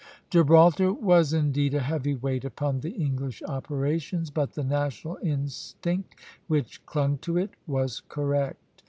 Gibraltar was indeed a heavy weight upon the English operations, but the national instinct which clung to it was correct.